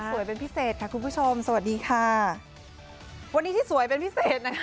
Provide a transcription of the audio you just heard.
เป็นพิเศษค่ะคุณผู้ชมสวัสดีค่ะวันนี้ที่สวยเป็นพิเศษนะคะ